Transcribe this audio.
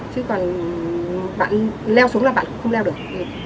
chứ còn bạn leo xuống là bạn cũng không leo được